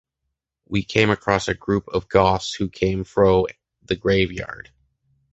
We came across a group of goths who came fro the grave yard.